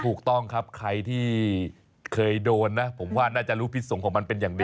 ถูกต้องครับใครที่เคยโดนนะผมว่าน่าจะรู้พิษสงฆ์ของมันเป็นอย่างดี